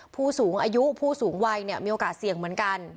ผู้สูงอายุผู้สูงวัยเนี่ยมีโอกาสเสี่ยงเหมือนกัน